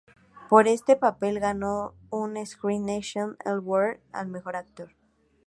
Por este papel, ganó un Screen Nation Award al mejor actor.